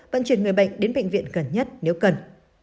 vận chuyển người bệnh đến bệnh viện gần nhất nếu cần